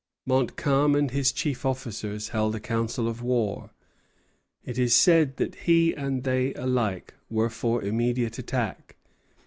Montcalm and his chief officers held a council of war. It is said that he and they alike were for immediate attack.